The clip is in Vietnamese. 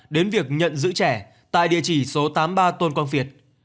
đến việc nhận giữ trẻ tại địa chỉ số tám mươi ba tôn quang việt